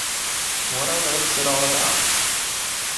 What on earth's it all about?